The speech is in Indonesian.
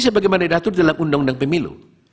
yang mengatur dalam undang undang pemilu